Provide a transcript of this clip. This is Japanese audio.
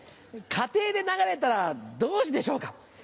家庭で流れたらどうでしょうか。